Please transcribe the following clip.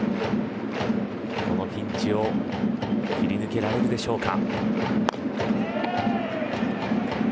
このピンチを切り抜けられるでしょうか。